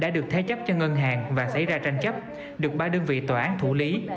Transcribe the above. đã được thế chấp cho ngân hàng và xảy ra tranh chấp được ba đơn vị tòa án thủ lý